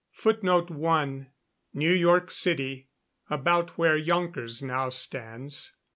[Footnote 1: New York City, about where Yonkers now stands.